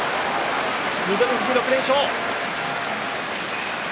翠富士、６連勝。